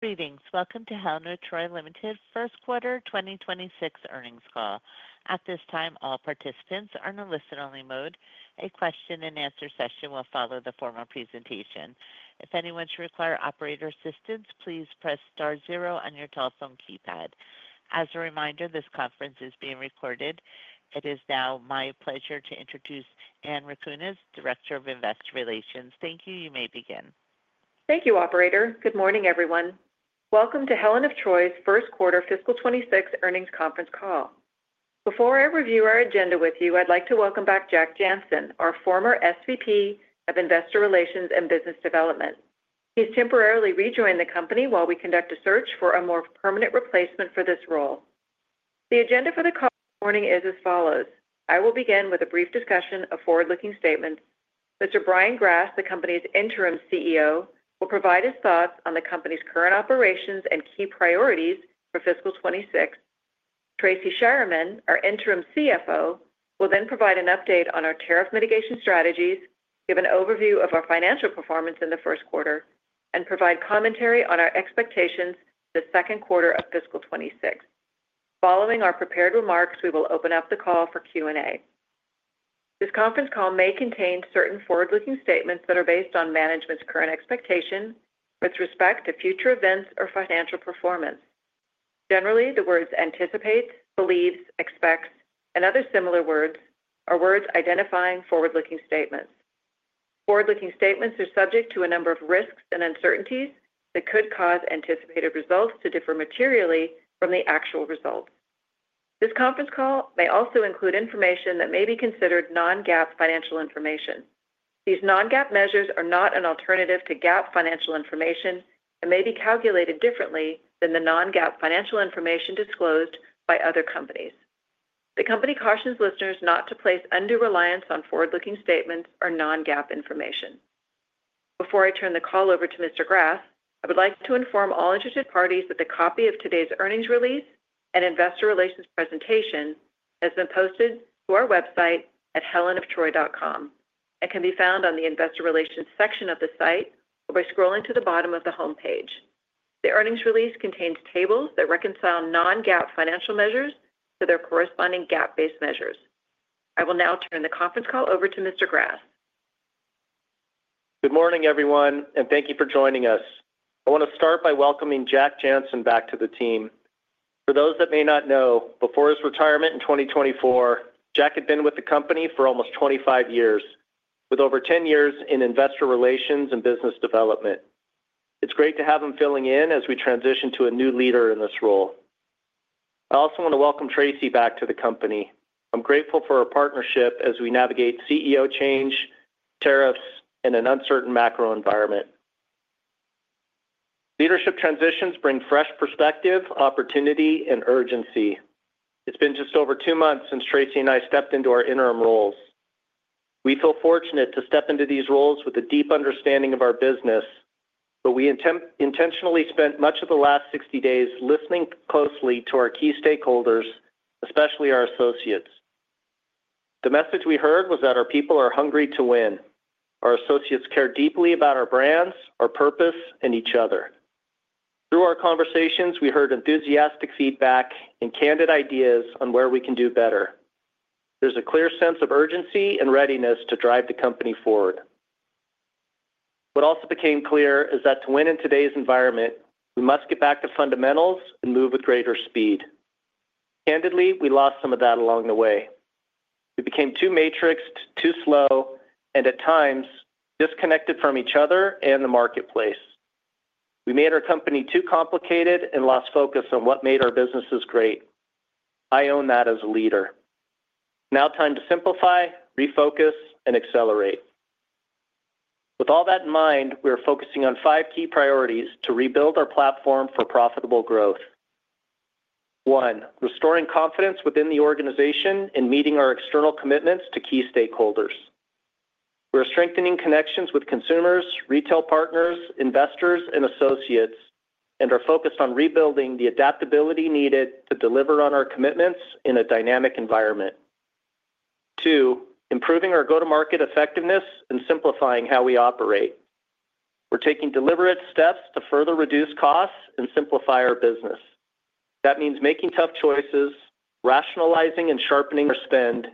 Greetings. Welcome to Helen of Troy Limited's first quarter 2026 earnings call. At this time, all participants are in a listen-only mode. A question and answer session will follow the formal presentation. If anyone should require operator assistance, please press star zero on your telephone keypad. As a reminder, this conference is being recorded. It is now my pleasure to introduce Anne Rakunas, Director of Investor Relations. Thank you. You may begin. Thank you, Operator. Good morning, everyone. Welcome to Helen of Troy's first quarter fiscal 2026 earnings conference call. Before I review our agenda with you, I'd like to welcome back Jack Jancin, our former SVP of Investor Relations and Business Development. He's temporarily rejoining the company while we conduct a search for a more permanent replacement for this role. The agenda for the call this morning is as follows: I will begin with a brief discussion of forward-looking statements. Mr. Brian Grass, the company's Interim CEO, will provide his thoughts on the company's current operations and key priorities for fiscal 2026. Tracy Schuerman, our Interim CFO, will then provide an update on our tariff mitigation strategies, give an overview of our financial performance in the first quarter, and provide commentary on our expectations for the second quarter of fiscal 2026. Following our prepared remarks, we will open up the call for Q&A. This conference call may contain certain forward-looking statements that are based on management's current expectations with respect to future events or financial performance. Generally, the words anticipate, believes, expects, and other similar words are words identifying forward-looking statements. Forward-looking statements are subject to a number of risks and uncertainties that could cause anticipated results to differ materially from the actual results. This conference call may also include information that may be considered non-GAAP financial information. These non-GAAP measures are not an alternative to GAAP financial information and may be calculated differently than the non-GAAP financial information disclosed by other companies. The company cautions listeners not to place undue reliance on forward-looking statements or non-GAAP information. Before I turn the call over to Mr. Grass, I would like to inform all interested parties that a copy of today's earnings release and Investor Relations presentation has been posted to our website at helenoftroy.com and can be found on the Investor Relations section of the site or by scrolling to the bottom of the homepage. The earnings release contains tables that reconcile non-GAAP financial measures to their corresponding GAAP-based measures. I will now turn the conference call over to Mr. Grass. Good morning, everyone, and thank you for joining us. I want to start by welcoming Jack Jancin back to the team. For those that may not know, before his retirement in 2024, Jack had been with the company for almost 25 years, with over 10 years in Investor Relations and Business Development. It's great to have him filling in as we transition to a new leader in this role. I also want to welcome Tracy back to the company. I'm grateful for our partnership as we navigate CEO change, tariffs, and an uncertain macro environment. Leadership transitions bring fresh perspective, opportunity, and urgency. It's been just over two months since Tracy and I stepped into our interim roles. We feel fortunate to step into these roles with a deep understanding of our business, but we intentionally spent much of the last 60 days listening closely to our key stakeholders, especially our associates. The message we heard was that our people are hungry to win. Our associates care deeply about our brands, our purpose, and each other. Through our conversations, we heard enthusiastic feedback and candid ideas on where we can do better. There's a clear sense of urgency and readiness to drive the company forward. What also became clear is that to win in today's environment, we must get back to fundamentals and move with greater speed. Candidly, we lost some of that along the way. We became too matrixed, too slow, and at times disconnected from each other and the marketplace. We made our company too complicated and lost focus on what made our businesses great. I own that as a leader. Now time to simplify, refocus, and accelerate. With all that in mind, we are focusing on five key priorities to rebuild our platform for profitable growth. One, restoring confidence within the organization and meeting our external commitments to key stakeholders. We're strengthening connections with consumers, retail partners, investors, and associates, and are focused on rebuilding the adaptability needed to deliver on our commitments in a dynamic environment. Two, improving our go-to-market effectiveness and simplifying how we operate. We're taking deliberate steps to further reduce costs and simplify our business. That means making tough choices, rationalizing and sharpening our spend,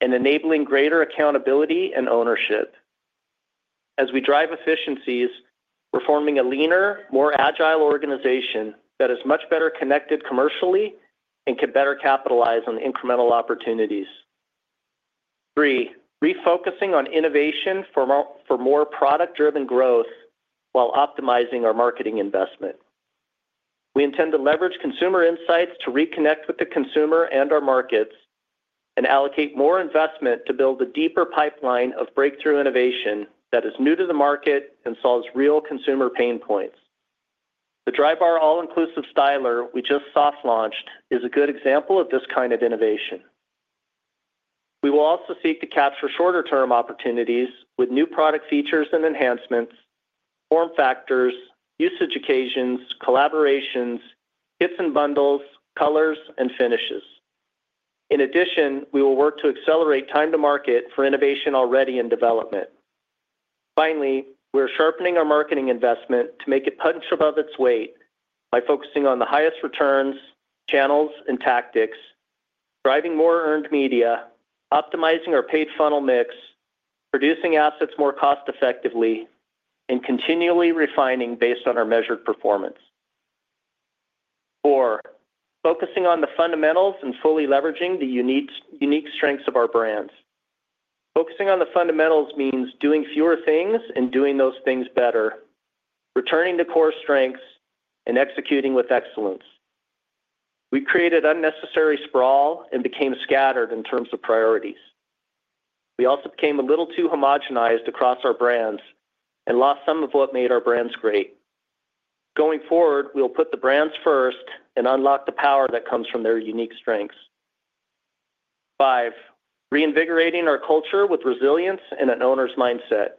and enabling greater accountability and ownership. As we drive efficiencies, we're forming a leaner, more agile organization that is much better connected commercially and can better capitalize on incremental opportunities. Three, refocusing on innovation for more product-driven growth while optimizing our marketing investment. We intend to leverage consumer insights to reconnect with the consumer and our markets and allocate more investment to build a deeper pipeline of breakthrough innovation that is new to the market and solves real consumer pain points. The Drybar All-Inclusive Styler we just soft-launched is a good example of this kind of innovation. We will also seek to capture shorter-term opportunities with new product features and enhancements, form factors, usage occasions, collaborations, hits and bundles, colors, and finishes. In addition, we will work to accelerate time to market for innovation already in development. Finally, we're sharpening our marketing investment to make it punch above its weight by focusing on the highest returns, channels, and tactics, driving more earned media, optimizing our paid funnel mix, producing assets more cost-effectively, and continually refining based on our measured performance. Four, focusing on the fundamentals and fully leveraging the unique strengths of our brands. Focusing on the fundamentals means doing fewer things and doing those things better, returning to core strengths, and executing with excellence. We created unnecessary sprawl and became scattered in terms of priorities. We also became a little too homogenized across our brands and lost some of what made our brands great. Going forward, we'll put the brands first and unlock the power that comes from their unique strengths. Five, reinvigorating our culture with resilience and an owner's mindset.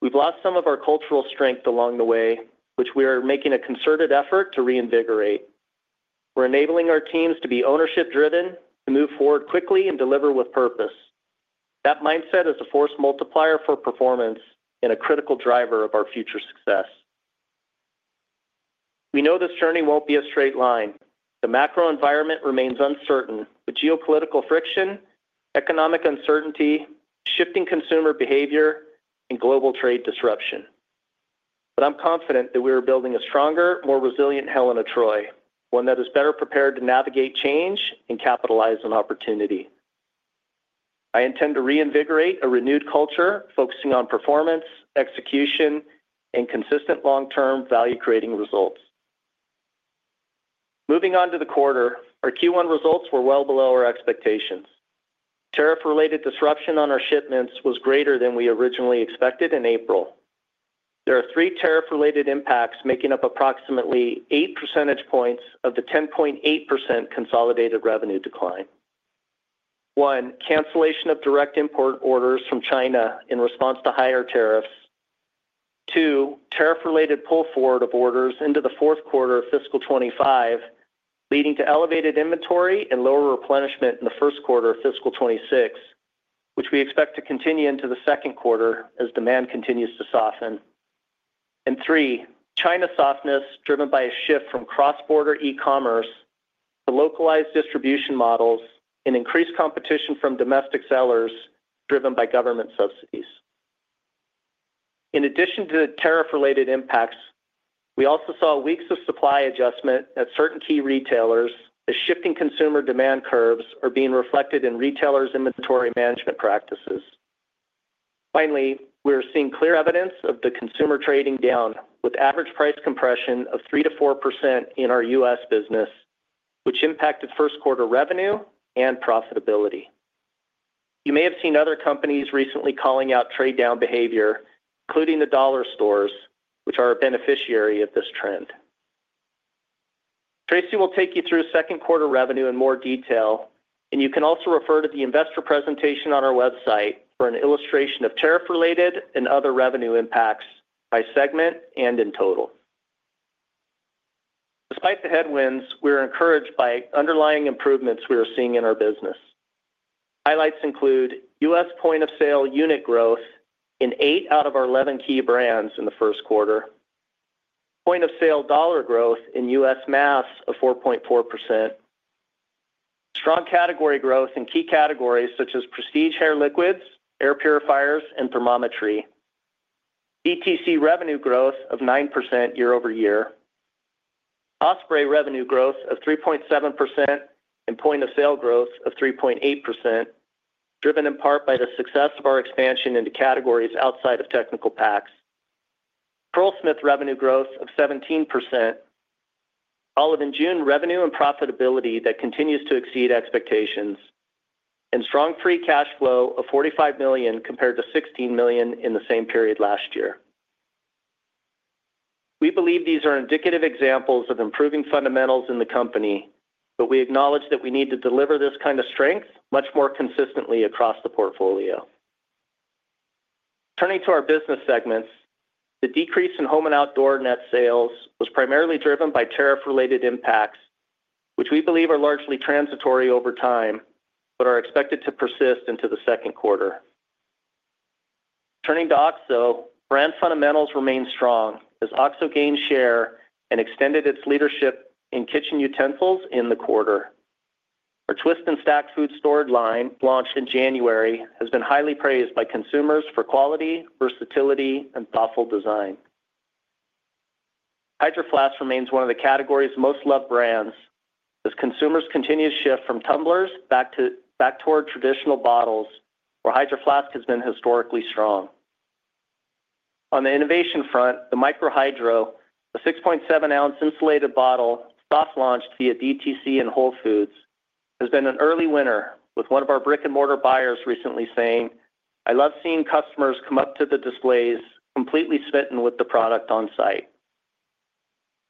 We've lost some of our cultural strength along the way, which we are making a concerted effort to reinvigorate. We're enabling our teams to be ownership-driven, to move forward quickly, and deliver with purpose. That mindset is a force multiplier for performance and a critical driver of our future success. We know this journey won't be a straight line. The macro environment remains uncertain with geopolitical friction, economic uncertainty, shifting consumer behavior, and global trade disruption. I'm confident that we are building a stronger, more resilient Helen of Troy, one that is better prepared to navigate change and capitalize on opportunity. I intend to reinvigorate a renewed culture focusing on performance, execution, and consistent long-term value-creating results. Moving on to the quarter, our Q1 results were well below our expectations. Tariff-related disruption on our shipments was greater than we originally expected in April. There are three tariff-related impacts making up approximately 8 percentage points of the 10.8% consolidated revenue decline. One, cancellation of direct import orders from China in response to higher tariffs. Two, tariff-related pull-forwards of orders into the fourth quarter of fiscal 2025, leading to elevated inventory and lower replenishment in the first quarter of fiscal 2026, which we expect to continue into the second quarter as demand continues to soften. Three, China softness driven by a shift from cross-border e-commerce to localized distribution models and increased competition from domestic sellers driven by government subsidies. In addition to the tariff-related impacts, we also saw weeks of supply adjustment at certain key retailers as shifting consumer demand curves are being reflected in retailers' inventory management practices. Finally, we are seeing clear evidence of the consumer trading down with average price compression of 3%-4% in our U.S. business, which impacted first quarter revenue and profitability. You may have seen other companies recently calling out trade-down behavior, including the dollar stores, which are a beneficiary of this trend. Tracy will take you through second quarter revenue in more detail, and you can also refer to the investor presentation on our website for an illustration of tariff-related and other revenue impacts by segment and in total. Despite the headwinds, we are encouraged by underlying improvements we are seeing in our business. Highlights include U.S. point-of-sale unit growth in 8 out of our 11 key brands in the first quarter, point-of-sale dollar growth in U.S. mass of 4.4%, strong category growth in key categories such as prestige hair liquids, air purifiers, and thermometry, BTC revenue growth of 9% year over year, Osprey revenue growth of 3.7%, and point-of-sale growth of 3.8%, driven in part by the success of our expansion into categories outside of technical packs. Pearl Smith revenue growth of 17%, Olive & June revenue and profitability that continues to exceed expectations, and strong free cash flow of $45 million compared to $16 million in the same period last year. We believe these are indicative examples of improving fundamentals in the company, but we acknowledge that we need to deliver this kind of strength much more consistently across the portfolio. Turning to our business segments, the decrease in Home and Outdoor net sales was primarily driven by tariff-related impacts, which we believe are largely transitory over time but are expected to persist into the second quarter. Turning to OXO, brand fundamentals remain strong as OXO gained share and extended its leadership in kitchen utensils in the quarter. Our Twist and Stack food storage line launched in January has been highly praised by consumers for quality, versatility, and thoughtful design. Hydro Flask remains one of the category's most loved brands as consumers continue to shift from tumblers back toward traditional bottles, where Hydro Flask has been historically strong. On the innovation front, the Micro Hydro, a 6.7-ounce insulated bottle soft-launched via DTC and Whole Foods, has been an early winner, with one of our brick-and-mortar buyers recently saying, "I love seeing customers come up to the displays, completely smitten with the product on site."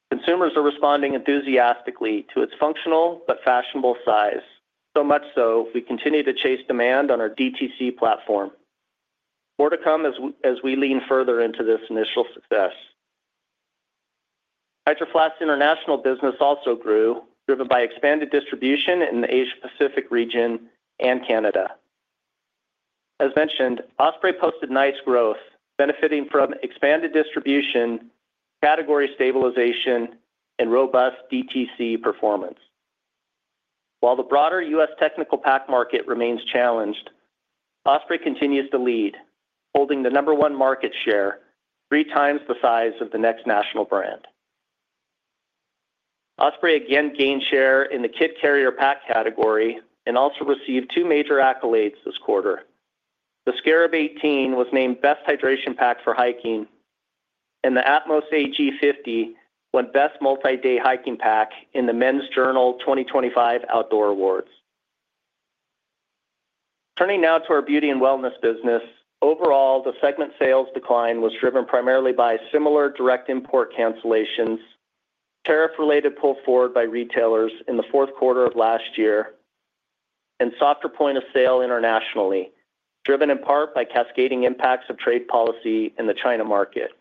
Consumers are responding enthusiastically to its functional but fashionable size, so much so we continue to chase demand on our DTC platform. More to come as we lean further into this initial success. Hydro Flask's international business also grew, driven by expanded distribution in the Asia-Pacific region and Canada. As mentioned, Osprey posted nice growth, benefiting from expanded distribution, category stabilization, and robust DTC performance. While the broader U.S. technical pack market remains challenged, Osprey continues to lead, holding the number one market share, three times the size of the next national brand. Osprey again gained share in the kit carrier pack category and also received two major accolades this quarter. The Scarab 18 was named Best Hydration Pack for Hiking, and the Atmos AG 50 won Best Multi-Day Hiking Pack in the Men's Journal 2025 Outdoor Awards. Turning now to our Beauty and Wellness business, overall, the segment sales decline was driven primarily by similar direct import order cancellations, tariff-related pull-forwards by retailers in the fourth quarter of last year, and softer point of sale internationally, driven in part by cascading impacts of trade policy in the China market.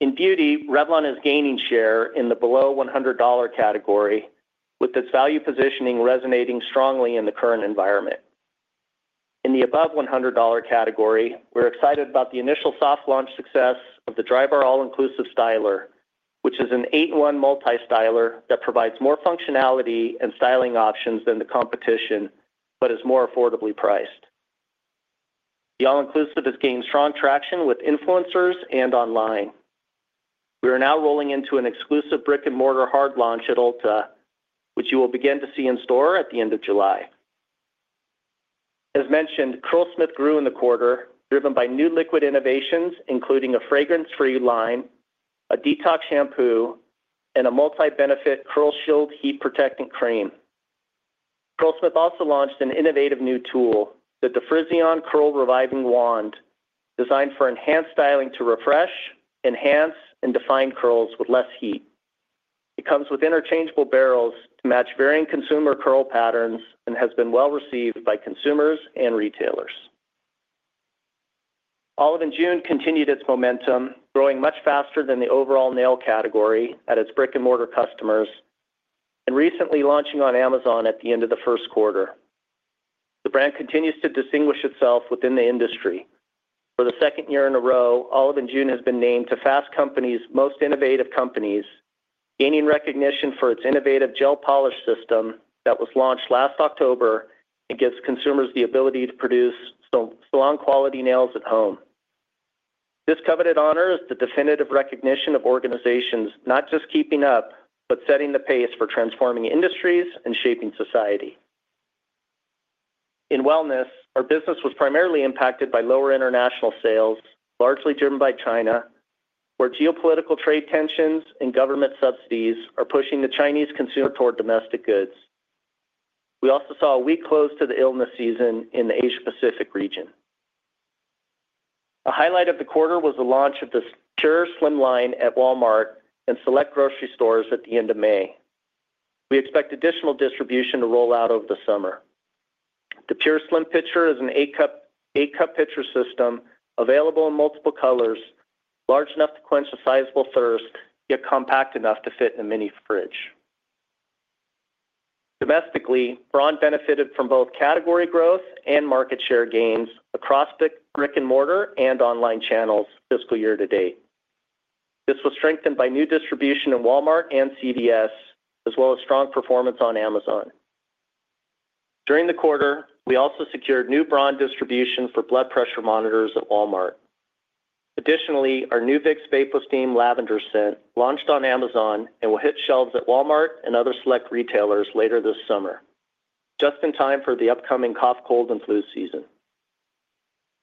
In beauty, Revlon is gaining share in the below $100 category, with its value positioning resonating strongly in the current environment. In the above $100 category, we're excited about the initial soft-launch success of the Drybar All-Inclusive Styler, which is an eight-in-one multi-styler that provides more functionality and styling options than the competition but is more affordably priced. The All-Inclusive has gained strong traction with influencers and online. We are now rolling into an exclusive brick-and-mortar hard launch at Ulta, which you will begin to see in store at the end of July. As mentioned, Pearl Smith grew in the quarter, driven by new liquid innovations, including a fragrance-free line, a detox shampoo, and a multi-benefit curl shield heat protectant cream. Pearl Smith also launched an innovative new tool, the Difrizion Curl Reviving Wand, designed for enhanced styling to refresh, enhance, and define curls with less heat. It comes with interchangeable barrels to match varying consumer curl patterns and has been well received by consumers and retailers. Olive & June continued its momentum, growing much faster than the overall nail category at its brick-and-mortar customers and recently launching on Amazon at the end of the first quarter. The brand continues to distinguish itself within the industry. For the second year in a row, Olive & June has been named to Fast Company's Most Innovative Companies, gaining recognition for its innovative gel polish system that was launched last October and gives consumers the ability to produce strong quality nails at home. This coveted honor is the definitive recognition of organizations not just keeping up but setting the pace for transforming industries and shaping society. In wellness, our business was primarily impacted by lower international sales, largely driven by China, where geopolitical trade tensions and government subsidies are pushing the Chinese consumer toward domestic goods. We also saw a weak close to the illness season in the Asia-Pacific region. A highlight of the quarter was the launch of the Pure Slim line at Walmart and select grocery stores at the end of May. We expect additional distribution to roll out over the summer. The Pure Slim pitcher is an eight-cup pitcher system available in multiple colors, large enough to quench a sizable thirst, yet compact enough to fit in a mini fridge. Domestically, Braun benefited from both category growth and market share gains across the brick-and-mortar and online channels fiscal year to date. This was strengthened by new distribution in Walmart and CVS, as well as strong performance on Amazon. During the quarter, we also secured new Braun distribution for blood pressure monitors at Walmart. Additionally, our new Vicks VapoSteam Lavender scent launched on Amazon and will hit shelves at Walmart and other select retailers later this summer, just in time for the upcoming cough, cold, and flu season.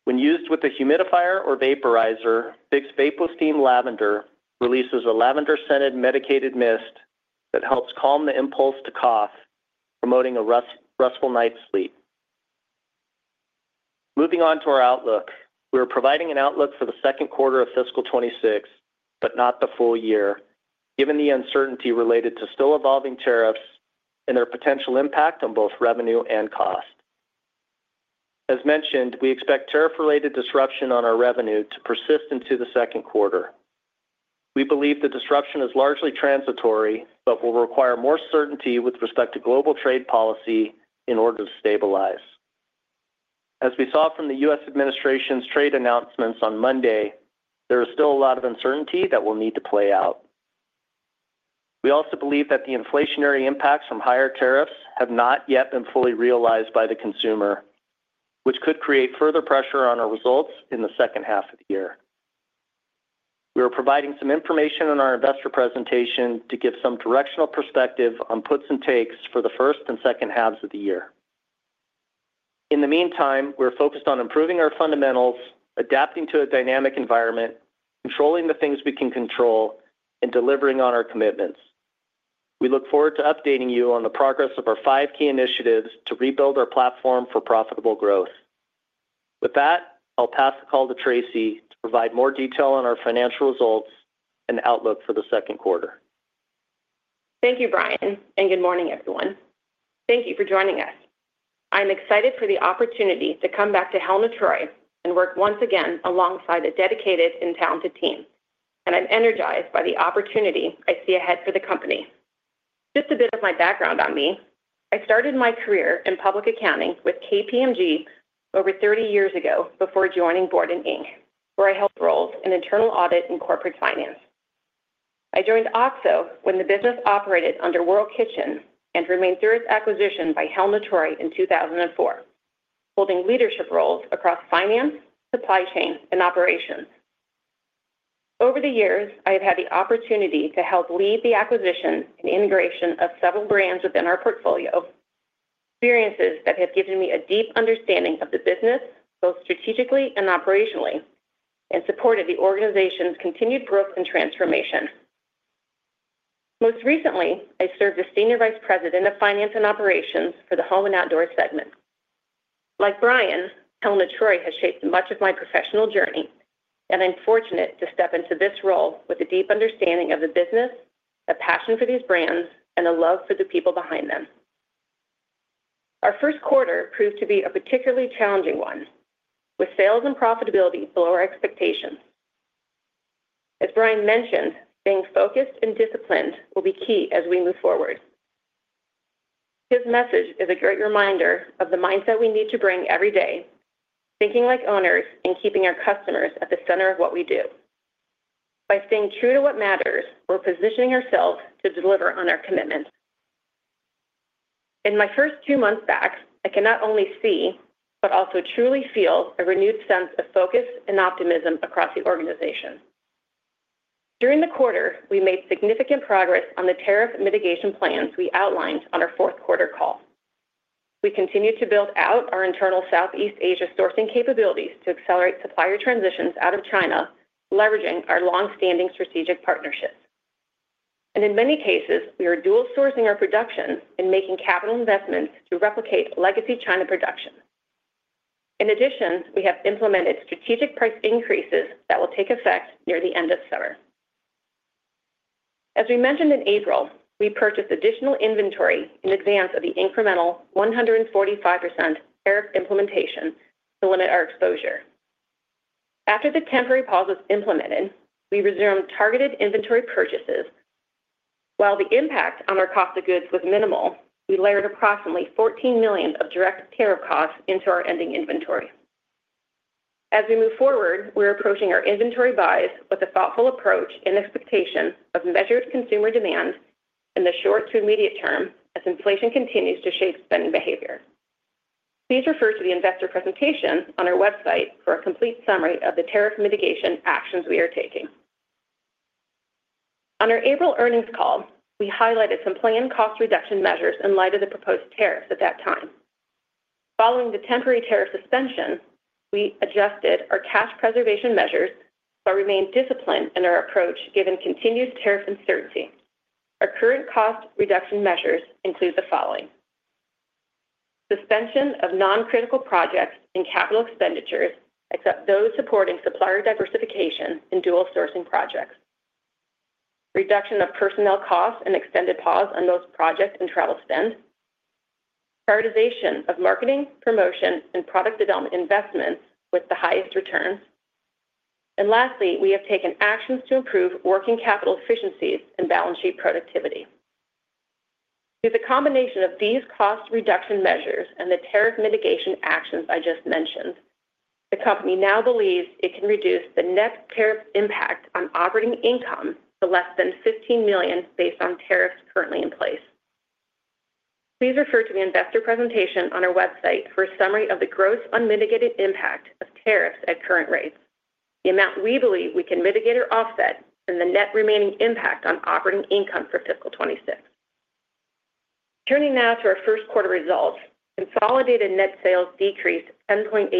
When used with a humidifier or vaporizer, Vicks VapoSteam Lavender releases a lavender-scented medicated mist that helps calm the impulse to cough, promoting a restful night's sleep. Moving on to our outlook, we are providing an outlook for the second quarter of fiscal 2026, but not the full year, given the uncertainty related to still evolving tariffs and their potential impact on both revenue and cost. As mentioned, we expect tariff-related disruption on our revenue to persist into the second quarter. We believe the disruption is largely transitory but will require more certainty with respect to global trade policy in order to stabilize. As we saw from the U.S. administration's trade announcements on Monday, there is still a lot of uncertainty that will need to play out. We also believe that the inflationary impacts from higher tariffs have not yet been fully realized by the consumer, which could create further pressure on our results in the second half of the year. We are providing some information in our investor presentation to give some directional perspective on puts and takes for the first and second halves of the year. In the meantime, we're focused on improving our fundamentals, adapting to a dynamic environment, controlling the things we can control, and delivering on our commitments. We look forward to updating you on the progress of our five key initiatives to rebuild our platform for profitable growth. With that, I'll pass the call to Tracy to provide more detail on our financial results and outlook for the second quarter. Thank you, Brian, and good morning, everyone. Thank you for joining us. I'm excited for the opportunity to come back to Helen of Troy and work once again alongside a dedicated and talented team. I'm energized by the opportunity I see ahead for the company. Just a bit of my background on me. I started my career in public accounting with KPMG over 30 years ago before joining Borden Inc, where I held roles in internal audit and corporate finance. I joined OXO when the business operated under World Kitchen and remained through its acquisition by Helen of Troy in 2004, holding leadership roles across finance, supply chain, and operations. Over the years, I have had the opportunity to help lead the acquisition and integration of several brands within our portfolio, experiences that have given me a deep understanding of the business, both strategically and operationally, and supported the organization's continued growth and transformation. Most recently, I served as Senior Vice President of Finance and Operations for the Home and Outdoor segment. Like Brian, Helen of Troy has shaped much of my professional journey, and I'm fortunate to step into this role with a deep understanding of the business, a passion for these brands, and a love for the people behind them. Our first quarter proved to be a particularly challenging one, with sales and profitability below our expectations. As Brian mentioned, staying focused and disciplined will be key as we move forward. His message is a great reminder of the mindset we need to bring every day, thinking like owners and keeping our customers at the center of what we do. By staying true to what matters, we're positioning ourselves to deliver on our commitments. In my first two months back, I cannot only see but also truly feel a renewed sense of focus and optimism across the organization. During the quarter, we made significant progress on the tariff mitigation plans we outlined on our fourth quarter call. We continue to build out our internal Southeast Asia sourcing capabilities to accelerate supplier transitions out of China, leveraging our long-standing strategic partnerships. In many cases, we are dual-sourcing our productions and making capital investments to replicate legacy China production. In addition, we have implemented strategic price increases that will take effect near the end of summer. As we mentioned in April, we purchased additional inventory in advance of the incremental 145% tariff implementation to limit our exposure. After the temporary pause was implemented, we resumed targeted inventory purchases. While the impact on our cost of goods was minimal, we layered approximately $14 million of direct tariff costs into our ending inventory. As we move forward, we're approaching our inventory buys with a thoughtful approach and expectation of measured consumer demand in the short to immediate term as inflation continues to shape spending behavior. Please refer to the investor presentation on our website for a complete summary of the tariff mitigation actions we are taking. On our April earnings call, we highlighted some planned cost reduction measures in light of the proposed tariffs at that time. Following the temporary tariff suspension, we adjusted our cash preservation measures but remained disciplined in our approach given continued tariff uncertainty. Our current cost reduction measures include the following: suspension of non-critical projects and capital expenditures, except those supporting supplier diversification and dual-sourcing projects, reduction of personnel costs and extended pause on those project and travel spend, prioritization of marketing, promotion, and product development investments with the highest returns, and lastly, we have taken actions to improve working capital efficiencies and balance sheet productivity. With a combination of these cost reduction measures and the tariff mitigation actions I just mentioned, the company now believes it can reduce the net tariff impact on operating income to less than $15 million based on tariffs currently in place. Please refer to the investor presentation on our website for a summary of the gross unmitigated impact of tariffs at current rates, the amount we believe we can mitigate or offset, and the net remaining impact on operating income for fiscal 2026. Turning now to our first quarter results, consolidated net sales decreased 10.8%.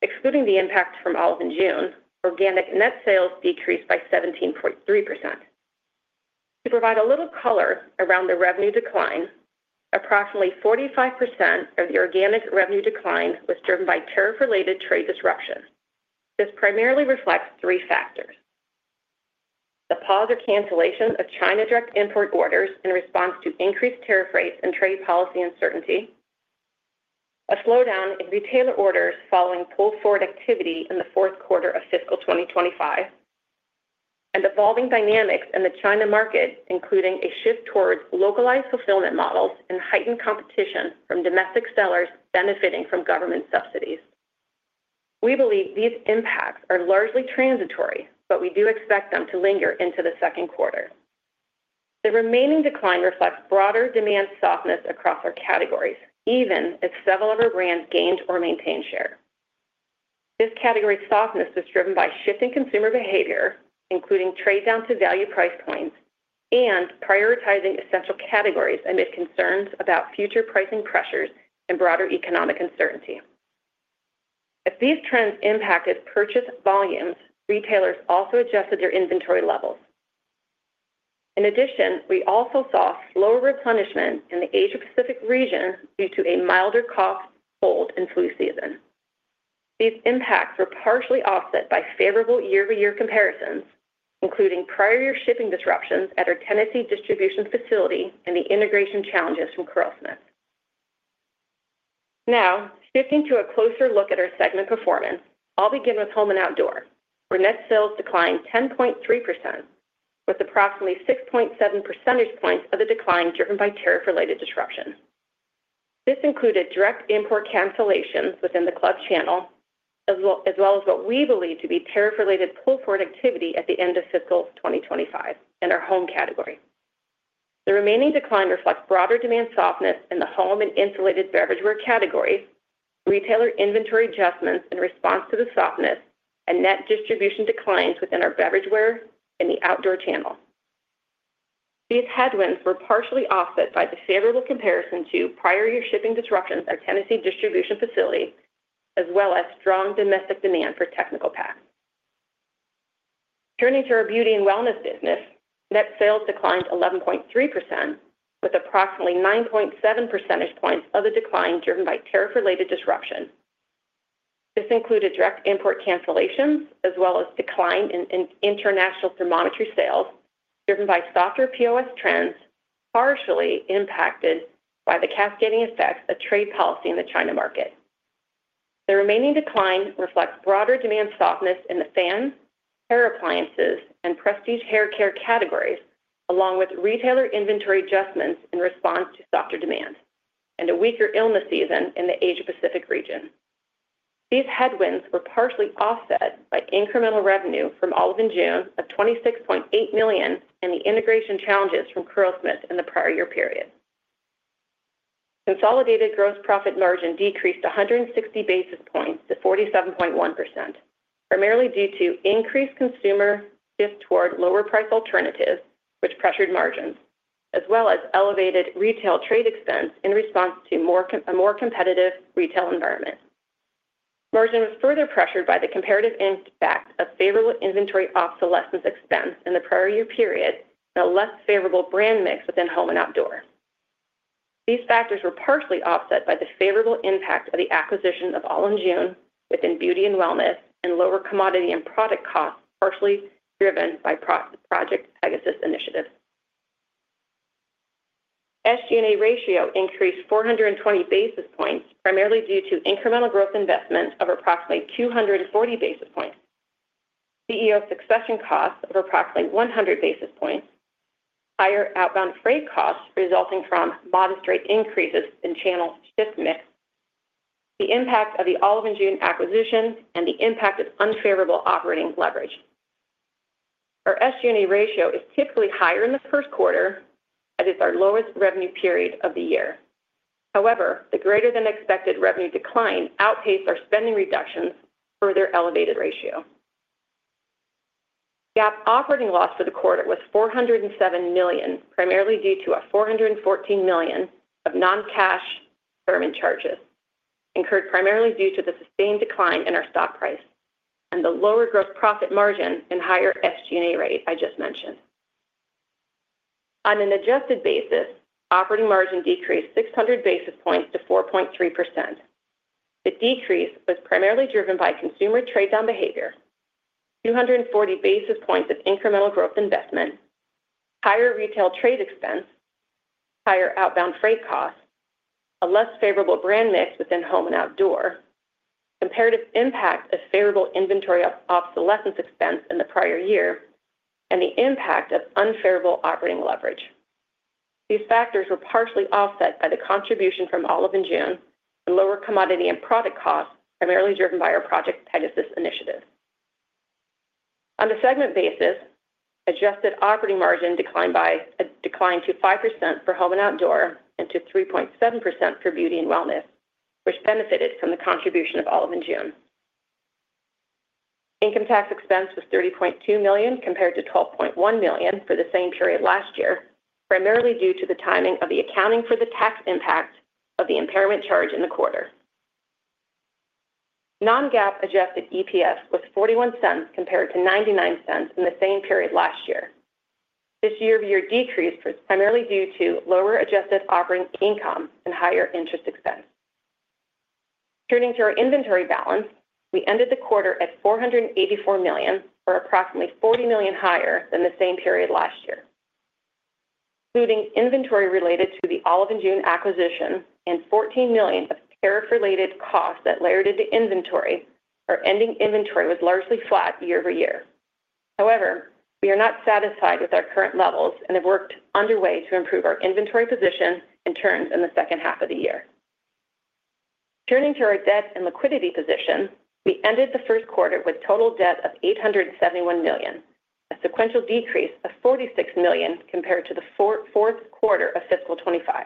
Excluding the impacts from Olive & June, organic net sales decreased by 17.3%. To provide a little color around the revenue decline, approximately 45% of the organic revenue decline was driven by tariff-related trade disruption. This primarily reflects three factors: the pause or cancellation of China direct import orders in response to increased tariff rates and trade policy uncertainty, a slowdown in retailer orders following pull forward activity in the fourth quarter of fiscal 2025, and evolving dynamics in the China market, including a shift towards localized fulfillment models and heightened competition from domestic sellers benefiting from government subsidies. We believe these impacts are largely transitory, but we do expect them to linger into the second quarter. The remaining decline reflects broader demand softness across our categories, even as several of our brands gained or maintained share. This category softness was driven by shifting consumer behavior, including trade down to value price points and prioritizing essential categories amid concerns about future pricing pressures and broader economic uncertainty. As these trends impacted purchase volumes, retailers also adjusted their inventory levels. In addition, we also saw slower replenishment in the Asia-Pacific region due to a milder cough, cold, and flu season. These impacts were partially offset by favorable year-over-year comparisons, including prior year shipping disruptions at our Tennessee distribution facility and the integration challenges from Pearl Smith. Now, shifting to a closer look at our segment performance, I'll begin with Home and Outdoor, where net sales declined 10.3%, with approximately 6.7% of the decline driven by tariff-related disruption. This included direct import cancellations within the club channel, as well as what we believe to be tariff-related pull forward activity at the end of fiscal 2025 in our Home category. The remaining decline reflects broader demand softness in the Home and insulated beverageware categories, retailer inventory adjustments in response to the softness, and net distribution declines within our beverageware and the Outdoor channel. These headwinds were partially offset by the favorable comparison to prior year shipping disruptions at the Tennessee distribution facility, as well as strong domestic demand for technical packs. Turning to our Beauty and Wellness business, net sales declined 11.3%, with approximately 9.7% of the decline driven by tariff-related disruption. This included direct import order cancellations, as well as a decline in international thermometry sales driven by softer POS trends, partially impacted by the cascading effects of trade policy in the China market. The remaining decline reflects broader demand softness in the fans, hair appliances, and prestige hair care categories, along with retailer inventory adjustments in response to softer demand and a weaker illness season in the Asia-Pacific region. These headwinds were partially offset by incremental revenue from Olive & June of $26.8 million and the integration challenges from Pearl Smith in the prior year period. Consolidated gross profit margin decreased 160 basis points to 47.1%, primarily due to increased consumer shift toward lower price alternatives, which pressured margins, as well as elevated retail trade expense in response to a more competitive retail environment. Margin was further pressured by the comparative impact of favorable inventory obsolescence expense in the prior year period and a less favorable brand mix within Home and Outdoor. These factors were partially offset by the favorable impact of the acquisition of Olive & June within Beauty and Wellness and lower commodity and product costs, partially driven by Project Pegasus initiative. SG&A ratio increased 420 basis points, primarily due to incremental growth investments of approximately 240 basis points, CEO succession costs of approximately 100 basis points, higher outbound freight costs resulting from modest rate increases in channel shift mix, the impact of the Olive & June acquisition, and the impact of unfavorable operating leverage. Our SG&A ratio is typically higher in the first quarter, as it's our lowest revenue period of the year. However, the greater than expected revenue decline outpaced our spending reductions and further elevated the ratio. GAAP operating loss for the quarter was $407 million, primarily due to $414 million of non-cash thermal charges, incurred primarily due to the sustained decline in our stock price and the lower gross profit margin and higher SG&A rate I just mentioned. On an adjusted basis, operating margin decreased 600 basis points to 4.3%. The decrease was primarily driven by consumer trade-down behavior, 240 basis points of incremental growth investment, higher retail trade expense, higher outbound freight costs, a less favorable brand mix within Home and Outdoor, comparative impact of favorable inventory obsolescence expense in the prior year, and the impact of unfavorable operating leverage. These factors were partially offset by the contribution from Olive & June and lower commodity and product costs, primarily driven by our Project Pegasus initiative. On the segment basis, adjusted operating margin declined to 5% for Home and Outdoor and to 3.7% for Beauty and Wellness, which benefited from the contribution of Olive & June. Income tax expense was $30.2 million compared to $12.1 million for the same period last year, primarily due to the timing of the accounting for the tax impact of the impairment charge in the quarter. Non-GAAP adjusted EPS was $0.41 compared to $0.99 in the same period last year. This year-over-year decrease was primarily due to lower adjusted operating income and higher interest expense. Turning to our inventory balance, we ended the quarter at $484 million, or approximately $40 million higher than the same period last year. Including inventory related to the Olive & June acquisition and $14 million of tariff-related costs that layered into inventory, our ending inventory was largely flat year over year. However, we are not satisfied with our current levels and have work underway to improve our inventory position and terms in the second half of the year. Turning to our debt and liquidity position, we ended the first quarter with a total debt of $871 million, a sequential decrease of $46 million compared to the fourth quarter of fiscal 2025.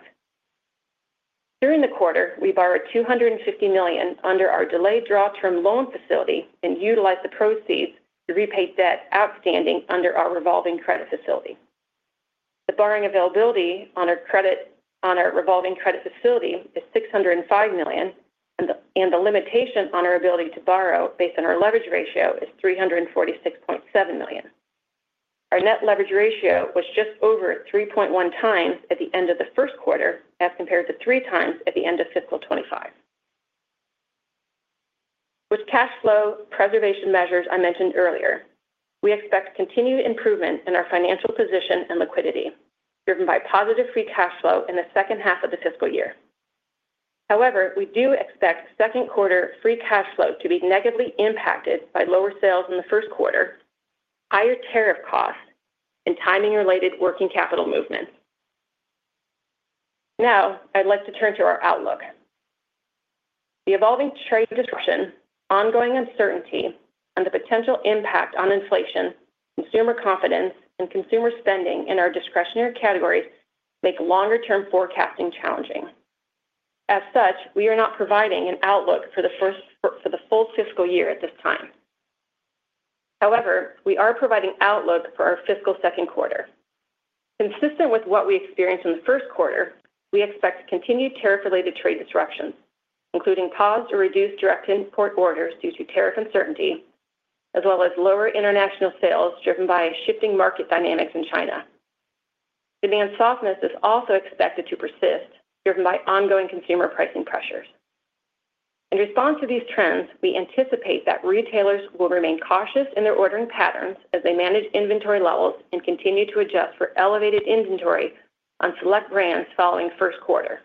During the quarter, we borrowed $250 million under our delayed draw term loan facility and utilized the proceeds to repay debt outstanding under our revolving credit facility. The borrowing availability on our revolving credit facility is $605 million, and the limitation on our ability to borrow based on our leverage ratio is $346.7 million. Our net leverage ratio was just over 3.1x at the end of the first quarter as compared to 3x at the end of fiscal 2025. With cash flow preservation measures I mentioned earlier, we expect continued improvement in our financial position and liquidity, driven by positive free cash flow in the second half of the fiscal year. However, we do expect second quarter free cash flow to be negatively impacted by lower sales in the first quarter, higher tariff costs, and timing-related working capital movements. Now, I'd like to turn to our outlook. The evolving trade disruption, ongoing uncertainty, and the potential impact on inflation, consumer confidence, and consumer spending in our discretionary categories make longer-term forecasting challenging. As such, we are not providing an outlook for the full fiscal year at this time. However, we are providing an outlook for our fiscal second quarter. Consistent with what we experienced in the first quarter, we expect continued tariff-related trade disruptions, including paused or reduced direct import orders due to tariff uncertainty, as well as lower international sales driven by shifting market dynamics in China. Demand softness is also expected to persist, driven by ongoing consumer pricing pressures. In response to these trends, we anticipate that retailers will remain cautious in their ordering patterns as they manage inventory levels and continue to adjust for elevated inventory on select brands following the first quarter.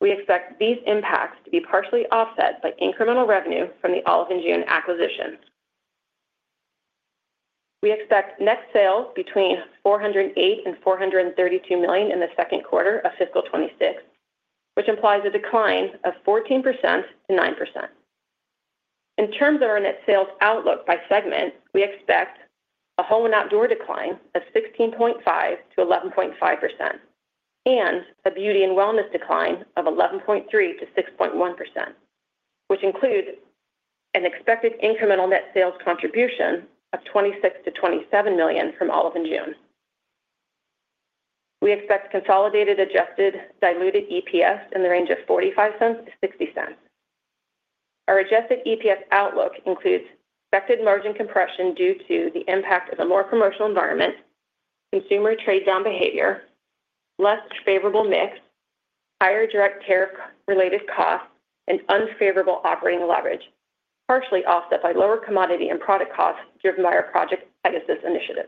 We expect these impacts to be partially offset by incremental revenue from the Olive & June acquisition. We expect net sales between $408 million-$432 million in the second quarter of fiscal 2026, which implies a decline of 14%-9%. In terms of our net sales outlook by segment, we expect a Home and Outdoor decline of 16.5%-11.5% and a Beauty and Wellness decline of 11.3%-6.1%, which includes an expected incremental net sales contribution of $26 million-$27 million from Olive & June. We expect consolidated adjusted diluted EPS in the range of $0.45-$0.60. Our adjusted EPS outlook includes expected margin compression due to the impact of a more commercial environment, consumer trade-down behavior, less favorable mix, higher direct tariff-related costs, and unfavorable operating leverage, partially offset by lower commodity and product costs driven by our Project Pegasus initiative.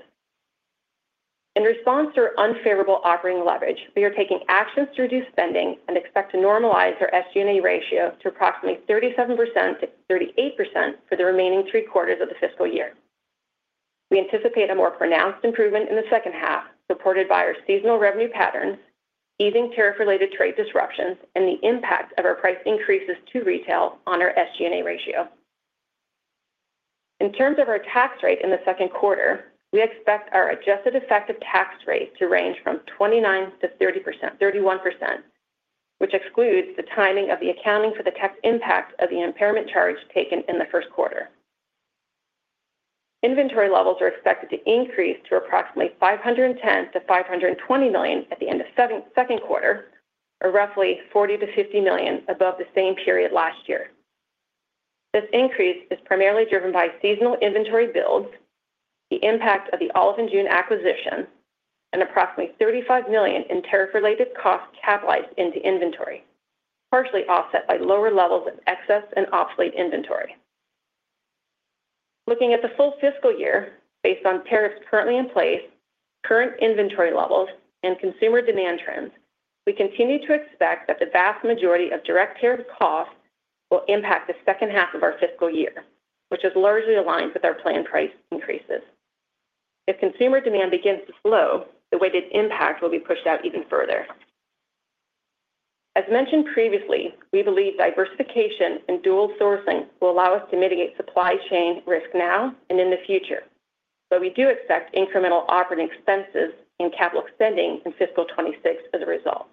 In response to our unfavorable operating leverage, we are taking actions to reduce spending and expect to normalize our SG&A ratio to approximately 37%-38% for the remaining three quarters of the fiscal year. We anticipate a more pronounced improvement in the second half, supported by our seasonal revenue patterns, easing tariff-related trade disruptions, and the impact of our price increases to retail on our SG&A ratio. In terms of our tax rate in the second quarter, we expect our adjusted effective tax rate to range from 29%-31%, which excludes the timing of the accounting for the tax impact of the impairment charge taken in the first quarter. Inventory levels are expected to increase to approximately $510 million-$520 million at the end of the second quarter, or roughly $40 million-$50 million above the same period last year. This increase is primarily driven by seasonal inventory builds, the impact of the Olive & June acquisition, and approximately $35 million in tariff-related costs capitalized into inventory, partially offset by lower levels of excess and obsolete inventory. Looking at the full fiscal year based on tariffs currently in place, current inventory levels, and consumer demand trends, we continue to expect that the vast majority of direct tariff costs will impact the second half of our fiscal year, which is largely aligned with our planned price increases. If consumer demand begins to slow, the weighted impact will be pushed out even further. As mentioned previously, we believe diversification and dual sourcing will allow us to mitigate supply chain risk now and in the future, but we do expect incremental operating expenses and capital spending in fiscal 2026 as a result.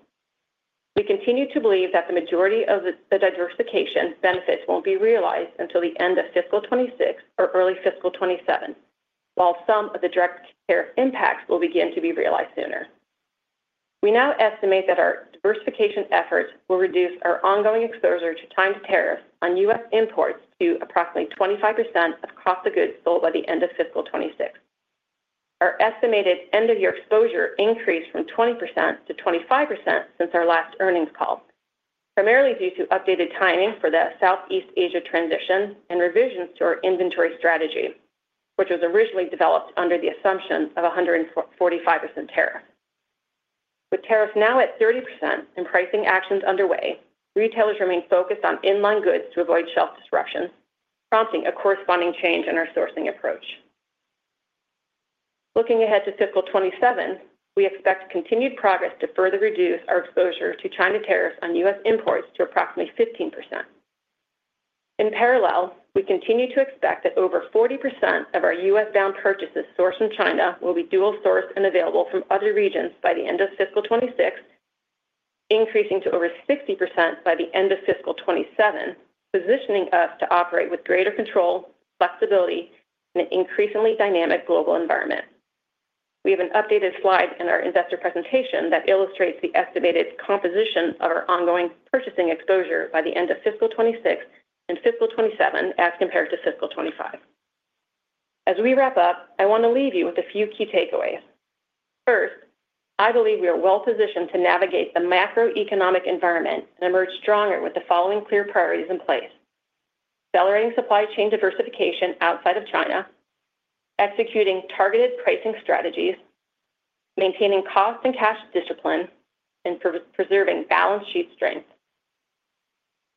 We continue to believe that the majority of the diversification benefits won't be realized until the end of fiscal 2026 or early fiscal 2027, while some of the direct tariff impacts will begin to be realized sooner. We now estimate that our diversification efforts will reduce our ongoing exposure to timed tariffs on U.S. imports to approximately 25% of cost of goods sold by the end of fiscal 2026. Our estimated end-of-year exposure increased from 20%-25% since our last earnings call, primarily due to updated timing for the Southeast Asia transition and revisions to our inventory strategy, which was originally developed under the assumption of a 145% tariff. With tariffs now at 30% and pricing actions underway, retailers remain focused on inline goods to avoid shelf disruptions, prompting a corresponding change in our sourcing approach. Looking ahead to fiscal 2027, we expect continued progress to further reduce our exposure to China tariffs on U.S. imports to approximately 15%. In parallel, we continue to expect that over 40% of our U.S.-bound purchases sourced from China will be dual-sourced and available from other regions by the end of fiscal 2026, increasing to over 60% by the end of fiscal 2027, positioning us to operate with greater control, flexibility, and an increasingly dynamic global environment. We have an updated slide in our investor presentation that illustrates the estimated composition of our ongoing purchasing exposure by the end of fiscal 2026 and fiscal 2027 as compared to fiscal 2025. As we wrap up, I want to leave you with a few key takeaways. First, I believe we are well positioned to navigate the macroeconomic environment and emerge stronger with the following clear priorities in place: accelerating supply chain diversification outside of China, executing targeted pricing strategies, maintaining cost and cash discipline, and preserving balance sheet strength.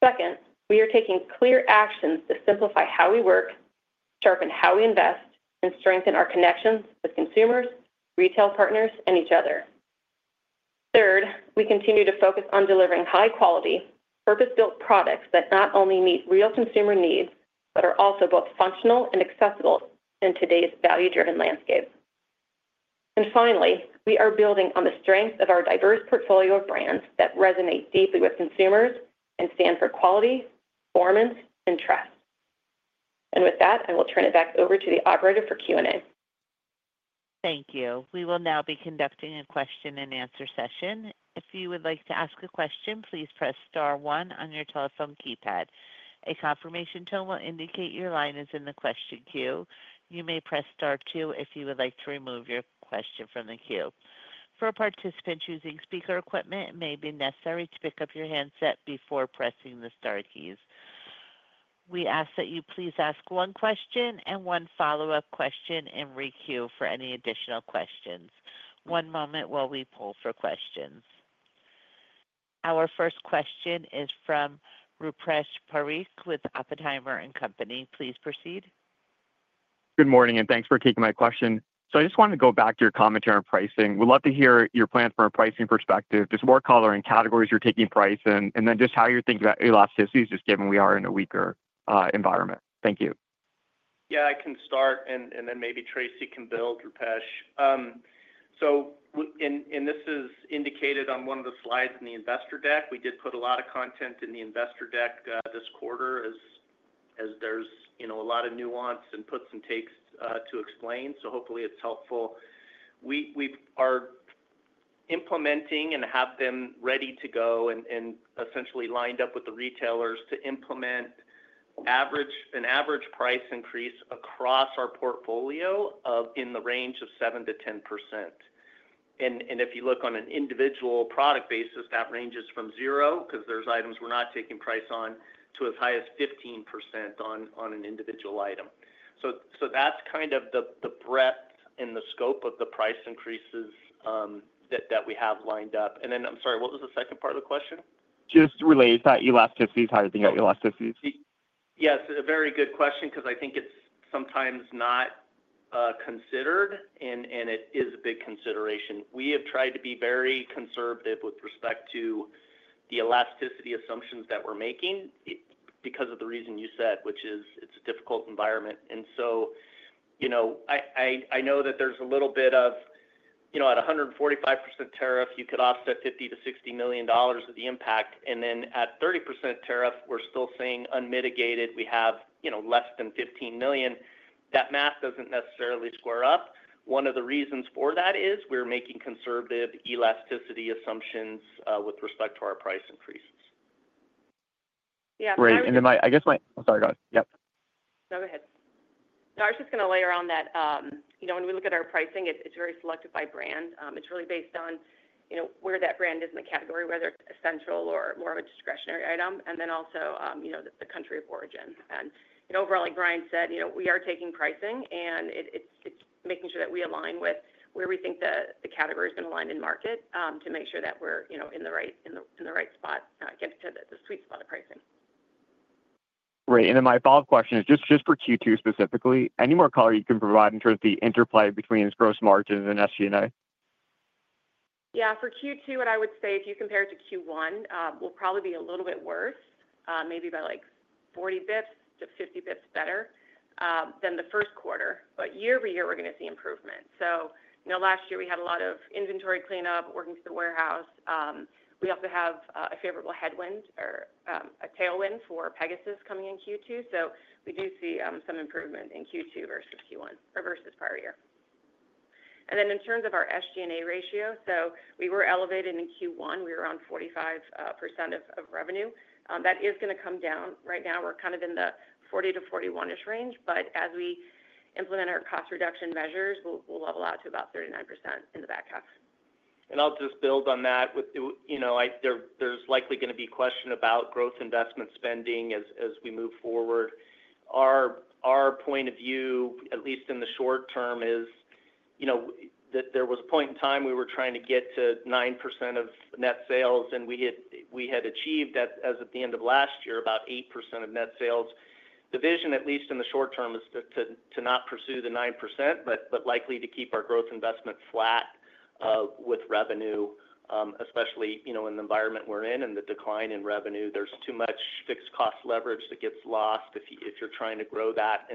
Second, we are taking clear actions to simplify how we work, sharpen how we invest, and strengthen our connections with consumers, retail partners, and each other. Third, we continue to focus on delivering high-quality, purpose-built products that not only meet real consumer needs but are also both functional and accessible in today's value-driven landscape. Finally, we are building on the strength of our diverse portfolio of brands that resonate deeply with consumers and stand for quality, performance, and trust. With that, I will turn it back over to the operator for Q&A. Thank you. We will now be conducting a question and answer session. If you would like to ask a question, please press star one on your telephone keypad. A confirmation tone will indicate your line is in the question queue. You may press star two if you would like to remove your question from the queue. For participants using speaker equipment, it may be necessary to pick up your handset before pressing the star keys. We ask that you please ask one question and one follow-up question and re-queue for any additional questions. One moment while we pull for questions. Our first question is from Rupesh Parikh with Oppenheimer. Please proceed. Good morning, and thanks for taking my question. I just wanted to go back to your commentary on pricing. We'd love to hear your plans from a pricing perspective, just what color and categories you're taking price in, and then how you're thinking about elasticities, just given we are in a weaker environment. Thank you. Yeah, I can start, and then maybe Tracy can build, Rupesh. As indicated on one of the slides in the investor deck, we did put a lot of content in the investor deck this quarter as there's a lot of nuance and puts and takes to explain. Hopefully, it's helpful. We are implementing and have been ready to go and essentially lined up with the retailers to implement an average price increase across our portfolio in the range of 7%-10%. If you look on an individual product basis, that ranges from zero, because there's items we're not taking price on, to as high as 15% on an individual item. That's kind of the breadth and the scope of the price increases that we have lined up. I'm sorry, what was the second part of the question? Just related to elasticities, how you think about elasticities. Yes, a very good question, because I think it's sometimes not considered, and it is a big consideration. We have tried to be very conservative with respect to the elasticity assumptions that we're making because of the reason you said, which is it's a difficult environment. I know that there's a little bit of, you know, at 145% tariff, you could offset $50 million-$60 million of the impact. At 30% tariff, we're still saying unmitigated, we have less than $15 million. That math doesn't necessarily square up. One of the reasons for that is we're making conservative elasticity assumptions with respect to our price increases. Yeah, great. I guess my—I'm sorry, go ahead. Yep. No, go ahead. I was just going to layer on that, you know, when we look at our pricing, it's very selective by brand. It's really based on where that brand is in the category, whether it's essential or more of a discretionary item, and then also the country of origin. Overall, like Brian said, we are taking pricing, and it's making sure that we align with where we think the category is going to land in market to make sure that we're in the right spot, again, to the sweet spot of pricing. Right. My follow-up question is just for Q2 specifically, any more color you can provide in terms of the interplay between its gross margin and SG&A? For Q2, what I would say is if you compare it to Q1, we'll probably be a little bit worse, maybe by like 40 basis points-50 basis points better than the first quarter. Year over year, we're going to see improvement. Last year we had a lot of inventory cleanup, working to the warehouse. We also have a favorable tailwind for Pegasus coming in Q2. We do see some improvement in Q2 versus Q1 or versus prior year. In terms of our SG&A ratio, we were elevated in Q1. We were around 45% of revenue. That is going to come down. Right now, we're kind of in the 40%-41% range. As we implement our cost reduction measures, we'll level out to about 39% in the back half. I'll just build on that with, you know, there's likely going to be a question about growth investment spending as we move forward. Our point of view, at least in the short term, is, you know, that there was a point in time we were trying to get to 9% of net sales, and we had achieved that as of the end of last year, about 8% of net sales. The vision, at least in the short term, is to not pursue the 9%, but likely to keep our growth investment flat with revenue, especially, you know, in the environment we're in and the decline in revenue. There's too much fixed cost leverage that gets lost if you're trying to grow that.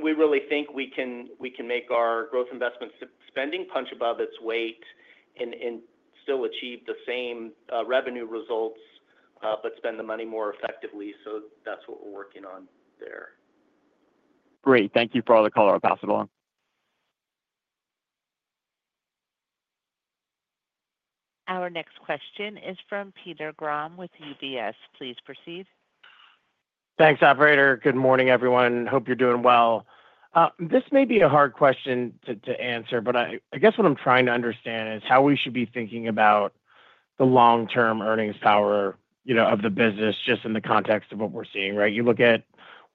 We really think we can make our growth investment spending punch above its weight and still achieve the same revenue results but spend the money more effectively. That's what we're working on there. Great. Thank you for all the color. I'll pass it along. Our next question is from Peter Grom with UBS. Please proceed. Thanks, operator. Good morning, everyone. Hope you're doing well. This may be a hard question to answer, but I guess what I'm trying to understand is how we should be thinking about the long-term earnings power, you know, of the business just in the context of what we're seeing, right? You look at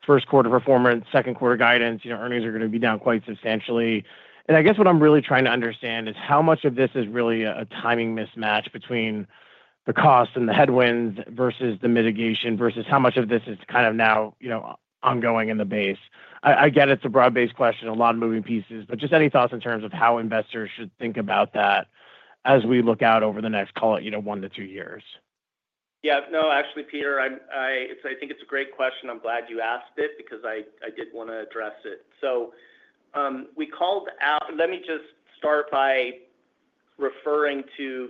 first quarter performance, second quarter guidance, earnings are going to be down quite substantially. I guess what I'm really trying to understand is how much of this is really a timing mismatch between the cost and the headwinds versus the mitigation versus how much of this is kind of now, you know, ongoing in the base. I get it's a broad-based question, a lot of moving pieces, but just any thoughts in terms of how investors should think about that as we look out over the next, call it, one to two years? Yeah, no, actually, Peter, I think it's a great question. I'm glad you asked it because I did want to address it. We called out—let me just start by referring to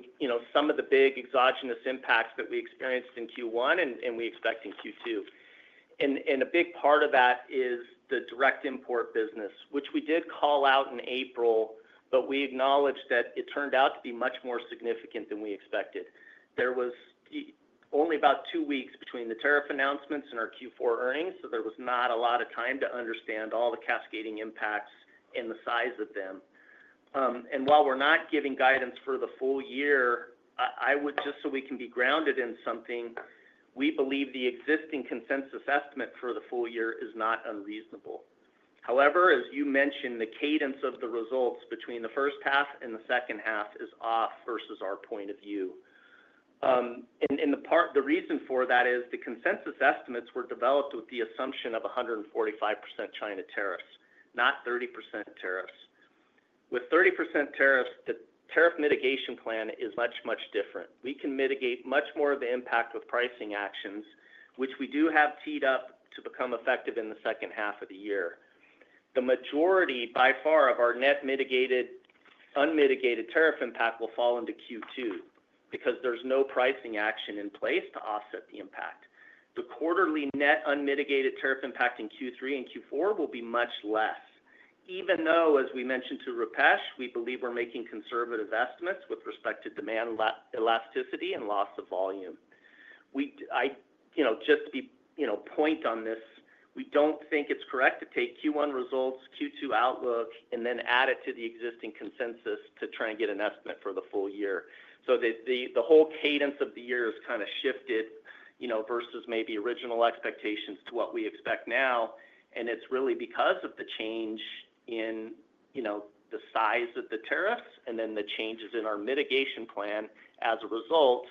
some of the big exogenous impacts that we experienced in Q1 and we expect in Q2. A big part of that is the direct import business, which we did call out in April, but we acknowledged that it turned out to be much more significant than we expected. There was only about two weeks between the tariff announcements and our Q4 earnings, so there was not a lot of time to understand all the cascading impacts and the size of them. While we're not giving guidance for the full year, I would—just so we can be grounded in something, we believe the existing consensus estimate for the full year is not unreasonable. However, as you mentioned, the cadence of the results between the first half and the second half is off versus our point of view. The reason for that is the consensus estimates were developed with the assumption of 145% China tariffs, not 30% tariffs. With 30% tariffs, the tariff mitigation plan is much, much different. We can mitigate much more of the impact with pricing actions, which we do have teed up to become effective in the second half of the year. The majority by far of our net unmitigated tariff impact will fall into Q2 because there's no pricing action in place to offset the impact. The quarterly net unmitigated tariff impact in Q3 and Q4 will be much less, even though, as we mentioned to Rupesh, we believe we're making conservative estimates with respect to demand elasticity and loss of volume. Just to be point on this, we don't think it's correct to take Q1 results, Q2 outlook, and then add it to the existing consensus to try and get an estimate for the full year. The whole cadence of the year has kind of shifted versus maybe original expectations to what we expect now. It's really because of the change in the size of the tariffs and then the changes in our mitigation plan as a result,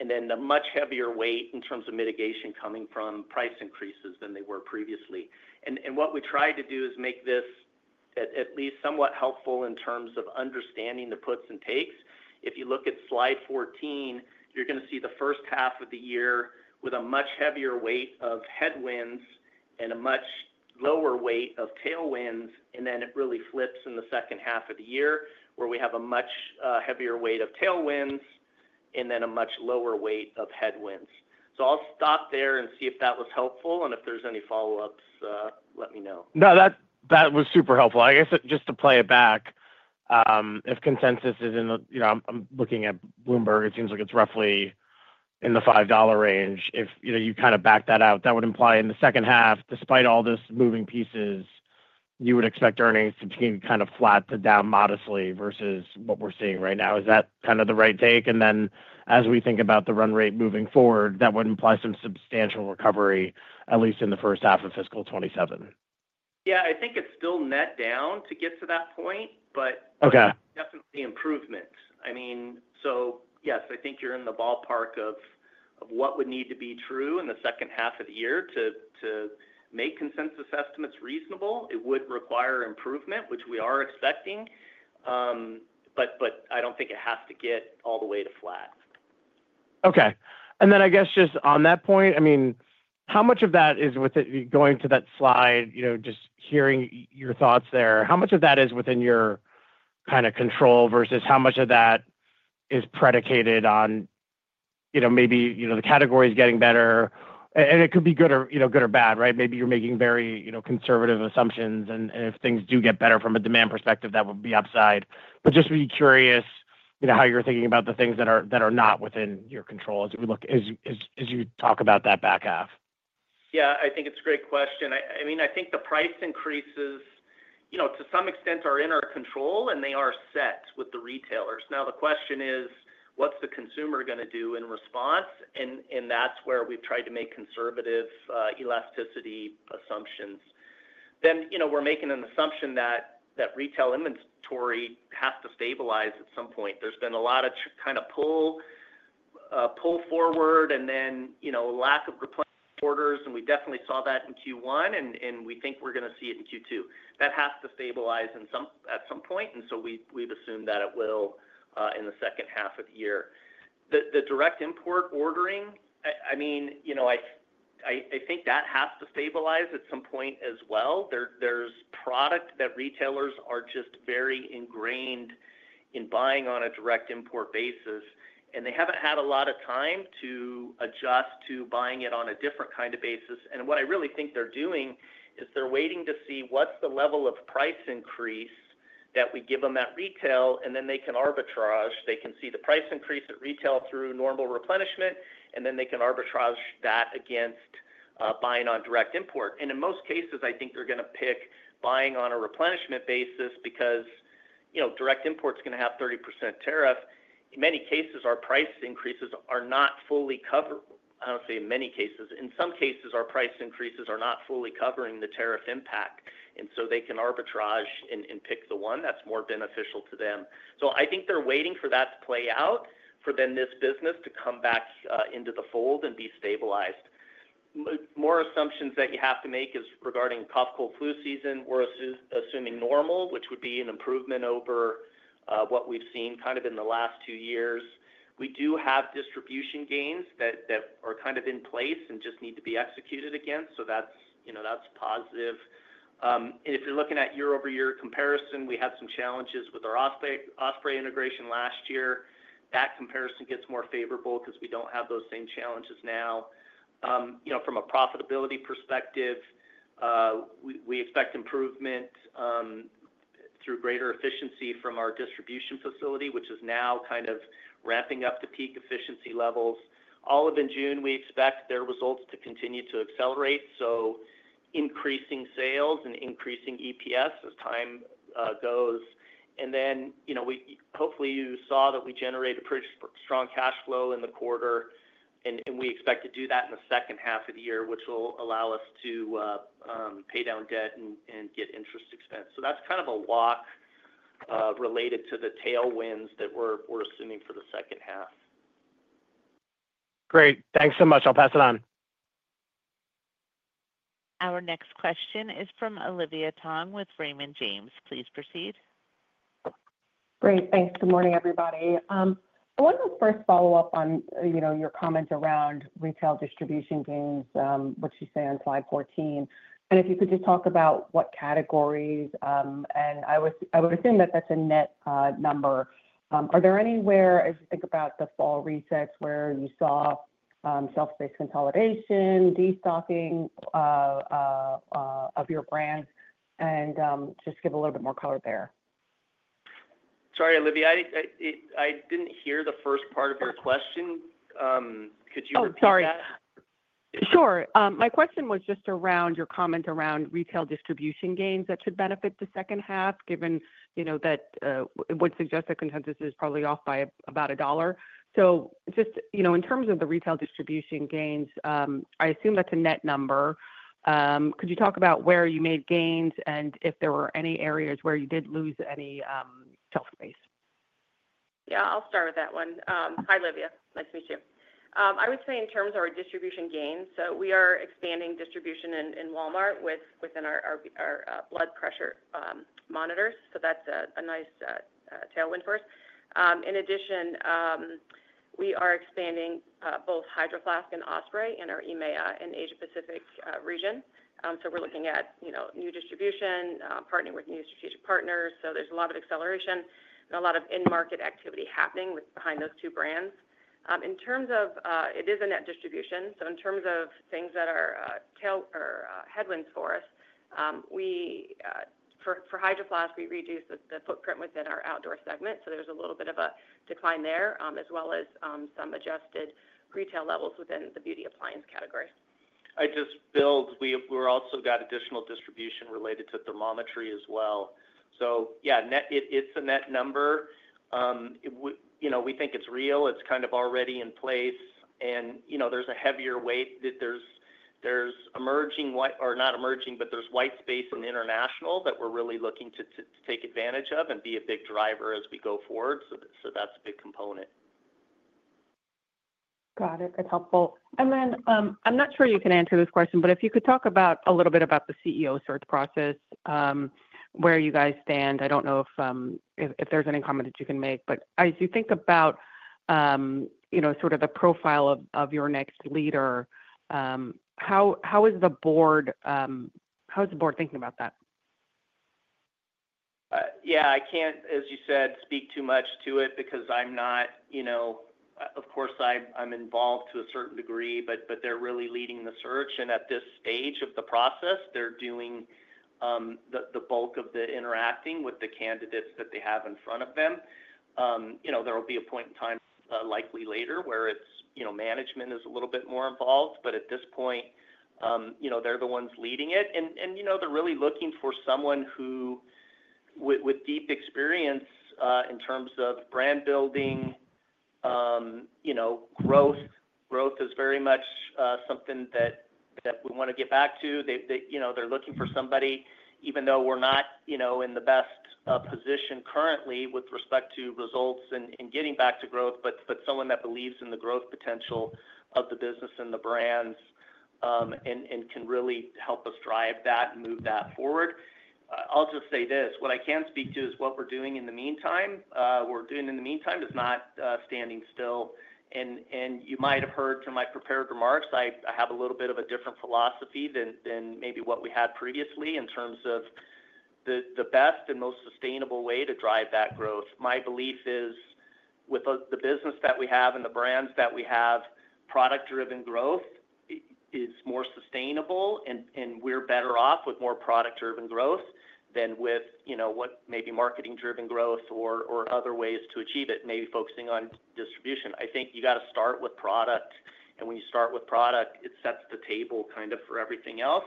and then the much heavier weight in terms of mitigation coming from price increases than they were previously. What we tried to do is make this at least somewhat helpful in terms of understanding the puts and takes. If you look at slide 14, you're going to see the first half of the year with a much heavier weight of headwinds and a much lower weight of tailwinds. It really flips in the second half of the year where we have a much heavier weight of tailwinds and then a much lower weight of headwinds. I'll stop there and see if that was helpful. If there's any follow-ups, let me know. No, that was super helpful. I guess just to play it back, if consensus is in the, you know, I'm looking at Bloomberg, it seems like it's roughly in the $5 range. If you kind of back that out, that would imply in the second half, despite all these moving pieces, you would expect earnings to be kind of flat to down modestly versus what we're seeing right now. Is that kind of the right take? As we think about the run rate moving forward, that would imply some substantial recovery, at least in the first half of fiscal 2027. Yeah, I think it's still net down to get to that point, but definitely improvement. I mean, yes, I think you're in the ballpark of what would need to be true in the second half of the year to make consensus estimates reasonable. It would require improvement, which we are expecting. I don't think it has to get all the way to flat. Okay. On that point, how much of that is, with it going to that slide, just hearing your thoughts there, how much of that is within your kind of control versus how much of that is predicated on, you know, maybe the category is getting better? It could be good or bad, right? Maybe you're making very conservative assumptions. If things do get better from a demand perspective, that would be upside. Just be curious how you're thinking about the things that are not within your control as you talk about that back half. Yeah, I think it's a great question. I mean, I think the price increases, you know, to some extent are in our control, and they are set with the retailers. Now the question is, what's the consumer going to do in response? That's where we've tried to make conservative elasticity assumptions. We're making an assumption that retail inventory has to stabilize at some point. There's been a lot of kind of pull forward and then, you know, lack of replenishment orders. We definitely saw that in Q1, and we think we're going to see it in Q2. That has to stabilize at some point, and we've assumed that it will in the second half of the year. The direct import ordering, I mean, you know, I think that has to stabilize at some point as well. There's product that retailers are just very ingrained in buying on a direct import basis, and they haven't had a lot of time to adjust to buying it on a different kind of basis. What I really think they're doing is they're waiting to see what's the level of price increase that we give them at retail, and then they can arbitrage. They can see the price increase at retail through normal replenishment, and then they can arbitrage that against buying on direct import. In most cases, I think they're going to pick buying on a replenishment basis because, you know, direct import is going to have 30% tariff. In some cases, our price increases are not fully covering the tariff impact, and so they can arbitrage and pick the one that's more beneficial to them. I think they're waiting for that to play out for then this business to come back into the fold and be stabilized. More assumptions that you have to make is regarding cough, cold, flu season. We're assuming normal, which would be an improvement over what we've seen kind of in the last two years. We do have distribution gains that are kind of in place and just need to be executed again, so that's, you know, that's positive. If you're looking at year-over-year comparison, we had some challenges with our Osprey integration last year. That comparison gets more favorable because we don't have those same challenges now. From a profitability perspective, we expect improvement through greater efficiency from our distribution facility, which is now kind of ramping up to peak efficiency levels. Olive & June, we expect their results to continue to accelerate, increasing sales and increasing EPS as time goes. Hopefully, you saw that we generate a pretty strong cash flow in the quarter, and we expect to do that in the second half of the year, which will allow us to pay down debt and get interest expense. That's kind of a walk related to the tailwinds that we're assuming for the second half. Great, thanks so much. I'll pass it on. Our next question is from Olivia Tong with Raymond James. Please proceed. Great. Thanks. Good morning, everybody. I want to first follow up on your comment around retail distribution gains, which you say on slide 14. If you could just talk about what categories, and I would assume that that's a net number. Are there anywhere, as you think about the fall resets, where you saw shelf space consolidation, destocking of your brands, and just give a little bit more color there? Sorry, Olivia, I didn't hear the first part of your question. Could you repeat that? Oh, sorry. Sure. My question was just around your comment around retail distribution gains that should benefit the second half, given, you know, that it would suggest that consensus is probably off by about $1. Just, you know, in terms of the retail distribution gains, I assume that's a net number. Could you talk about where you made gains and if there were any areas where you did lose any shelf space? Yeah, I'll start with that one. Hi, Olivia. Nice to meet you. I would say in terms of our distribution gains, we are expanding distribution in Walmart within our blood pressure monitors. That's a nice tailwind for us. In addition, we are expanding both Hydro Flask and Osprey in our EMEA and Asia-Pacific region. We're looking at new distribution, partnering with new strategic partners. There's a lot of acceleration and a lot of in-market activity happening behind those two brands. It is a net distribution. In terms of things that are headwinds for us, for Hydro Flask, we reduced the footprint within our outdoor segment. There's a little bit of a decline there, as well as some adjusted retail levels within the beauty appliance category. We've also got additional distribution related to thermometry as well. It's a net number. We think it's real. It's kind of already in place. There's a heavier weight. There's white space in the international that we're really looking to take advantage of and be a big driver as we go forward. That's a big component. Got it. That's helpful. I'm not sure you can answer this question, but if you could talk a little bit about the CEO search process, where you guys stand. I don't know if there's any comment that you can make, but as you think about, you know, sort of the profile of your next leader, how is the board thinking about that? Yeah, I can't, as you said, speak too much to it because I'm not, you know, of course, I'm involved to a certain degree, but they're really leading the search. At this stage of the process, they're doing the bulk of the interacting with the candidates that they have in front of them. There will be a point in time, likely later, where management is a little bit more involved. At this point, they're the ones leading it. They're really looking for someone with deep experience in terms of brand building, growth. Growth is very much something that we want to get back to. They're looking for somebody, even though we're not in the best position currently with respect to results and getting back to growth, but someone that believes in the growth potential of the business and the brands and can really help us drive that and move that forward. I'll just say this. What I can speak to is what we're doing in the meantime. What we're doing in the meantime is not standing still. You might have heard through my prepared remarks, I have a little bit of a different philosophy than maybe what we had previously in terms of the best and most sustainable way to drive that growth. My belief is with the business that we have and the brands that we have, product-driven growth is more sustainable, and we're better off with more product-driven growth than with what maybe marketing-driven growth or other ways to achieve it, maybe focusing on distribution. I think you got to start with product. When you start with product, it sets the table for everything else.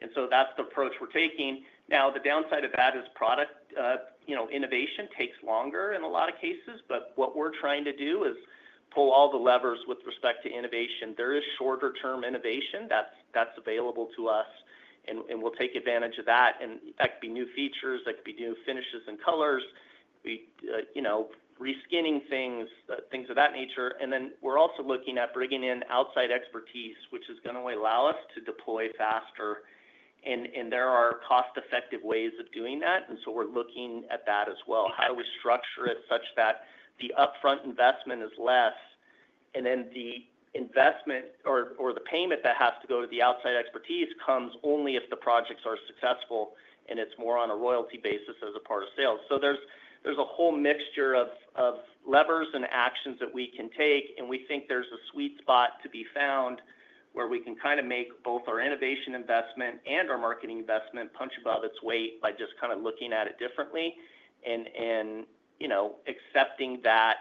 That's the approach we're taking. The downside of that is product innovation takes longer in a lot of cases. What we're trying to do is pull all the levers with respect to innovation. There is shorter-term innovation that's available to us, and we'll take advantage of that. That could be new features. That could be new finishes and colors, reskinning things, things of that nature. We're also looking at bringing in outside expertise, which is going to allow us to deploy faster. There are cost-effective ways of doing that, and we're looking at that as well. How do we structure it such that the upfront investment is less, and then the investment or the payment that has to go to the outside expertise comes only if the projects are successful and it's more on a royalty basis as a part of sales? There's a whole mixture of levers and actions that we can take. We think there's a sweet spot to be found where we can kind of make both our innovation investment and our marketing investment punch above its weight by just kind of looking at it differently. You know, accepting that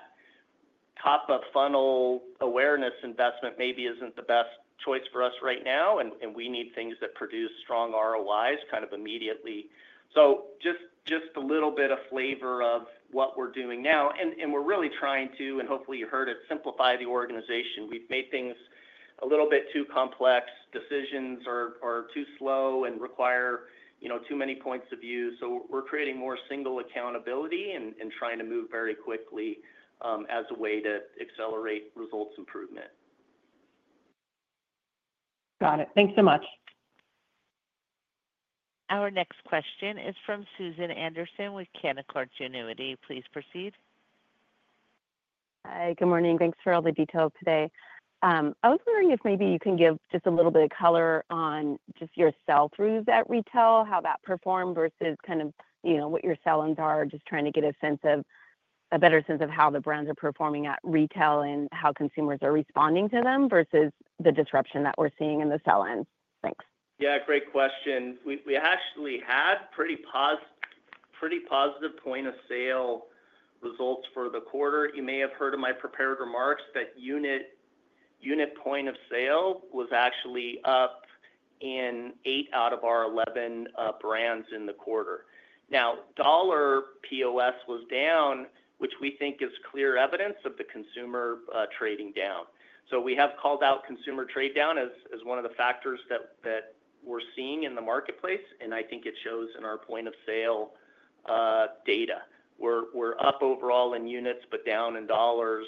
top-of-funnel awareness investment maybe isn't the best choice for us right now, and we need things that produce strong ROIs kind of immediately. Just a little bit of flavor of what we're doing now. We're really trying to, and hopefully you heard it, simplify the organization. We've made things a little bit too complex. Decisions are too slow and require, you know, too many points of view. We're creating more single accountability and trying to move very quickly as a way to accelerate results improvement. Got it. Thanks so much. Our next question is from Susan Anderson with Canaccord Genuity. Please proceed. Hi. Good morning. Thanks for all the detail today. I was wondering if maybe you can give just a little bit of color on your sell-throughs at retail, how that performed versus what your sell-ins are. Just trying to get a better sense of how the brands are performing at retail and how consumers are responding to them versus the disruption that we're seeing in the sell-ins. Thanks. Yeah, great question. We actually had pretty positive point-of-sale results for the quarter. You may have heard in my prepared remarks that unit point-of-sale was actually up in 8 out of our 11 brands in the quarter. Now, dollar POS was down, which we think is clear evidence of the consumer trading down. We have called out consumer trade down as one of the factors that we're seeing in the marketplace. I think it shows in our point-of-sale data. We're up overall in units, but down in dollars.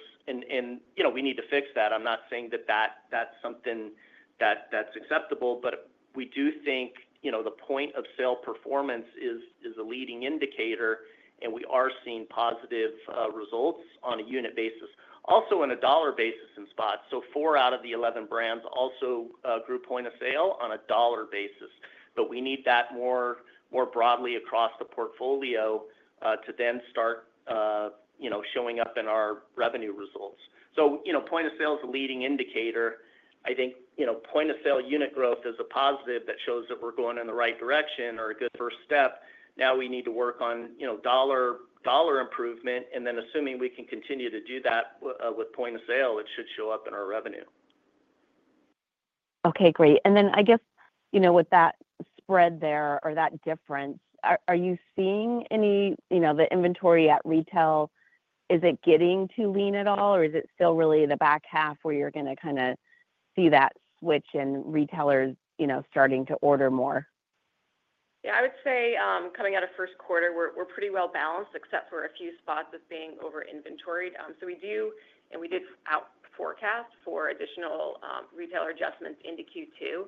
We need to fix that. I'm not saying that that's something that's acceptable, but we do think the point-of-sale performance is a leading indicator, and we are seeing positive results on a unit basis, also on a dollar basis in spots. Four out of the 11 brands also grew point-of-sale on a dollar basis. We need that more broadly across the portfolio to then start showing up in our revenue results. Point-of-sale is a leading indicator. I think point-of-sale unit growth is a positive that shows that we're going in the right direction or a good first step. Now we need to work on dollar improvement. Assuming we can continue to do that with point-of-sale, it should show up in our revenue. Okay, great. I guess, you know, with that spread there or that difference, are you seeing any, you know, the inventory at retail, is it getting too lean at all, or is it still really the back half where you're going to kind of see that switch and retailers, you know, starting to order more? I would say coming out of first quarter, we're pretty well balanced, except for a few spots as being overinventoried. We do, and we did out forecast for additional retailer adjustments into Q2.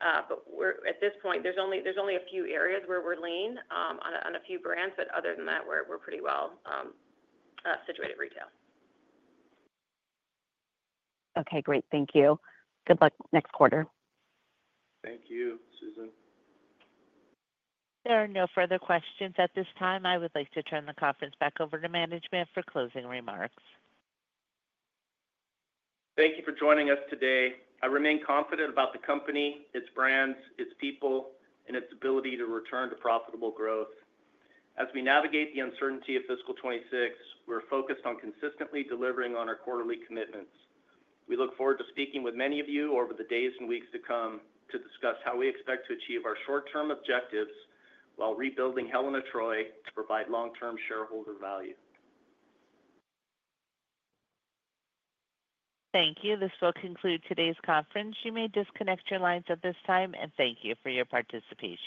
At this point, there's only a few areas where we're lean on a few brands, but other than that, we're pretty well situated retail. Okay, great. Thank you. Good luck next quarter. Thank you, Susan. There are no further questions at this time. I would like to turn the conference back over to management for closing remarks. Thank you for joining us today. I remain confident about the company, its brands, its people, and its ability to return to profitable growth. As we navigate the uncertainty of fiscal 2026, we're focused on consistently delivering on our quarterly commitments. We look forward to speaking with many of you over the days and weeks to come to discuss how we expect to achieve our short-term objectives while rebuilding Helen of Troy to provide long-term shareholder value. Thank you. This will conclude today's conference. You may disconnect your lines at this time, and thank you for your participation.